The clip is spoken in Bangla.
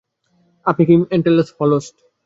আপনি কি অ্যান্টলার্স হলস্ট?